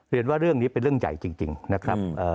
เรียนว่าเรื่องนี้เป็นเรื่องใหญ่จริงนะครับ